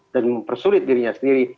dan mempersulit dirinya sendiri